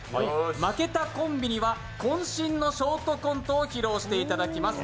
負けたコンビには、こん身のショートコントを披露していただきます。